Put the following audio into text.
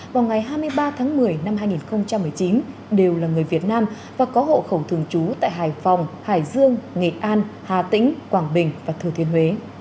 vào ngày hai mươi ba tháng một mươi năm hai nghìn một mươi chín đều là người việt nam và có hộ khẩu thường trú tại hải phòng hải dương nghệ an hà tĩnh quảng bình và thừa thiên huế